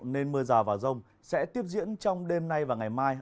nên mưa già vào rông sẽ tiếp diễn trong đêm nay và ngày mai